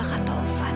ya pak taufan